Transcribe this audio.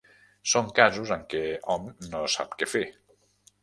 Són casos en què hom no sap què fer.